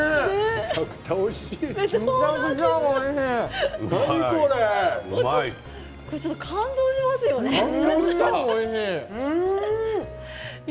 めちゃくちゃおいしい。